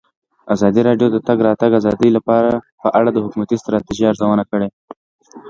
ازادي راډیو د د تګ راتګ ازادي په اړه د حکومتي ستراتیژۍ ارزونه کړې.